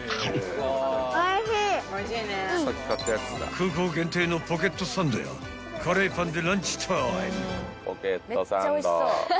［空港限定のポケットサンドやカレーパンで］